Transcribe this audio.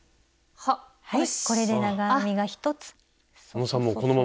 はい！